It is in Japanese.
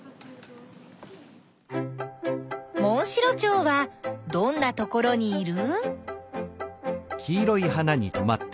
モンシロチョウはどんなところにいる？